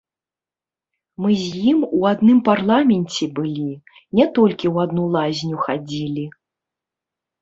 Мы з ім у адным парламенце былі, не толькі ў адну лазню хадзілі.